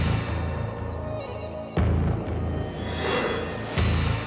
มาแล้วนะครับพี่